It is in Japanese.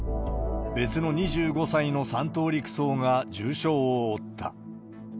別の２５歳の３等陸曹が重傷を負った。